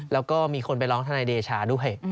แล้วก็มีคนไปร้องทนายเดชาด้วย